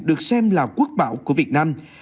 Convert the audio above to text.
được xem là quốc bảo của việt nam